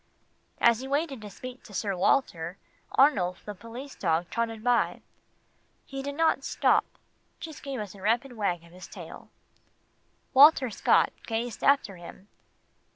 As he waited to speak to Sir Walter, Arnulf the police dog trotted by. He did not stop just gave us a rapid wag of his tail. Walter Scott gazed after him.